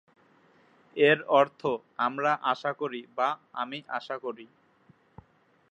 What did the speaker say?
এর অর্থ ""আমরা আশা করি"" বা ""আমি আশা করি""।